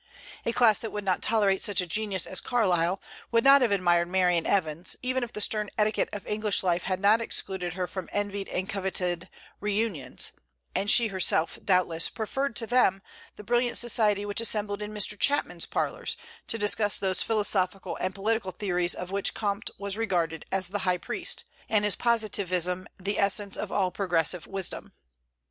A class that would not tolerate such a genius as Carlyle, would not have admired Marian Evans, even if the stern etiquette of English life had not excluded her from envied and coveted réunions; and she herself, doubtless, preferred to them the brilliant society which assembled in Mr. Chapman's parlors to discuss those philosophical and political theories of which Comte was regarded as the high priest, and his positivism the essence of all progressive wisdom.